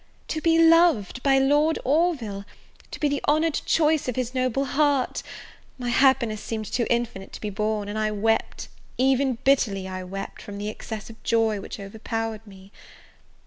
To be loved by Lord Orville, to be the honoured choice of his noble heart, my happiness seemed too infinite to be borne, and I wept, even bitterly I wept, from the excess of joy which overpowered me.